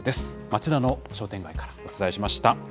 町田の商店街からお伝えしました。